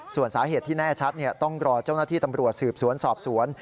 ส่วนสาเหตุที่แน่ชัดต้องรอเจ้าหน้าที่ตำรวจสืบสวนสอบสวน